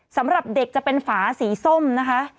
สำหรับเด็กจะเป็นฝาสีส้มนะคะ